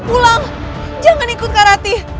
pulang jangan ikut kak rati